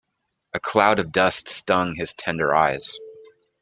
A cloud of dust stung his tender eyes.